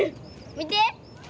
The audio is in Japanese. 見て。